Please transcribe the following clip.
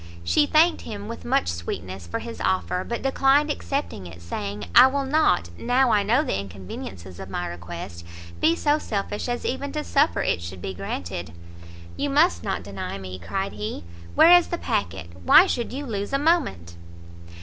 She thanked him, with much sweetness, for his offer, but declined accepting it, saying "I will not, now I know the inconveniencies of my request, be so selfish as even to suffer it should be granted." "You must not deny me," cried he; "where is the packet? why should you lose a moment?"